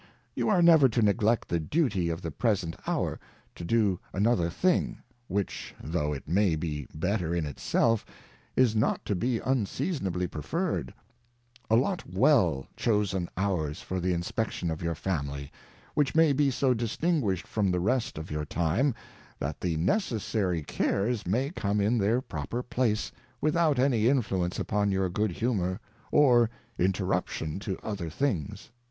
You are never to neglect the Duty of the present Hour, to do another thing, which though it may be better in it self, is not to be unseasonably preferred. Allot well chosen Hours for the Inspection of your Family, which may be so distinguished from the rest of your Time, that the necessary Cares may come in their proper Place, without any Influence upon your good Humour, or Interruption to other ■things.